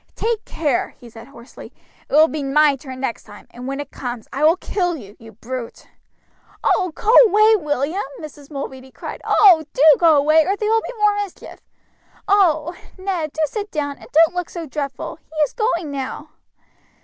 "Take care!" he said hoarsely, "it will be my turn next time, and when it comes I will kill you, you brute." "Oh, go away, William!" Mrs. Mulready cried; "oh! do go away, or there will be more mischief. Oh! Ned, do sit down, and don't look so dreadful; he is going now."